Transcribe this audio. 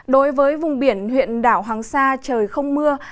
đối với vùng biển huyện đảo hoàng sa trời không mưa